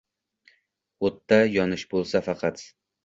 O’tda yonish bo’lsa, faqat —